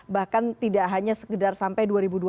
bahkan tidak hanya sekedar sampai dua ribu dua puluh empat